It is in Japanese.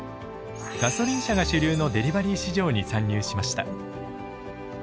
ガソリン車が主流のデリバリー市場に参入しました。